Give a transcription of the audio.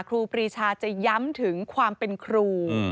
ครูปรีชาจะย้ำถึงความเป็นครู